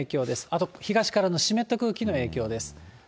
あと東からの湿った空気の影響です。